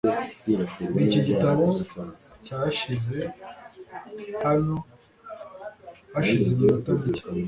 niki gitabo cyashize hano hashize iminota mike